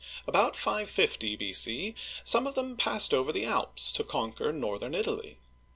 About 550 B.C. some of them passed over the Alps to conquer northern Italy.